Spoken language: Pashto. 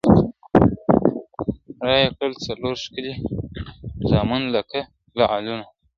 رایې کړل څلور ښکلي زامن لکه لعلونه !.